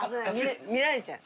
見られちゃう。